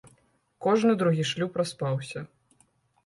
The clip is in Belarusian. Кожны другі шлюб распаўся.